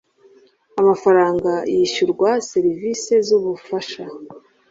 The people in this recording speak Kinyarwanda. amafaranga yishyurwa serivisi z'ubufasha